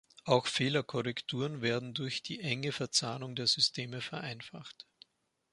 Auch Fehlerkorrekturen werden durch die enge Verzahnung der Systeme vereinfacht.